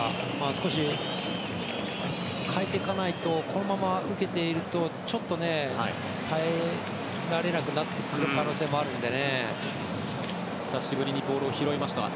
少し変えていかないとこのまま受けているとちょっと耐えられなくなってくる可能性もあるので。